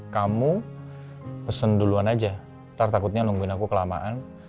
kamu pesen duluan aja ntar takutnya nungguin aku kelamaan